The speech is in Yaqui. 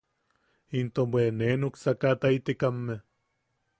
Into bwe ne nuksasakataitekamme.